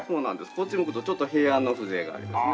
こっち向くとちょっと平安の風情がありますね。